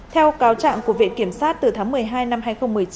theo cáo trạng của viện kiểm sát từ tháng một mươi hai năm hai nghìn một mươi chín